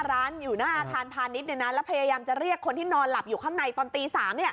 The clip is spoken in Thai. ร้านอยู่หน้าอาคารพาณิชย์แล้วพยายามจะเรียกคนที่นอนหลับอยู่ข้างในตอนตี๓